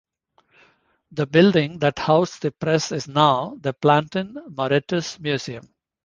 The building that housed the press is now the Plantin-Moretus Museum.